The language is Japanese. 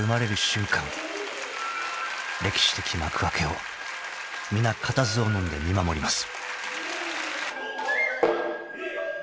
［歴史的幕開けを皆固唾をのんで見守ります］